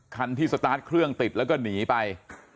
คันที่สตาร์ทเครื่องติดแล้วก็หนีไป